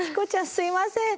すいません。